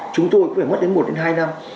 chúng tôi cũng phải mất đến một hai năm